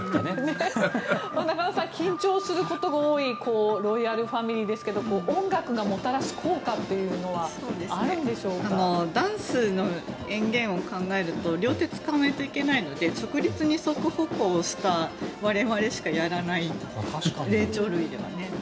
中野さん緊張することが多いロイヤルファミリーですけど音楽がもたらす効果というのはダンスの淵源を見ると両手を使わないといけないので直立二足歩行をした我々しかやらない霊長類では。